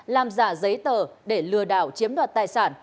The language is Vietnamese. làm giả giấy tờ để lừa đảo chiếm đoạt tài sản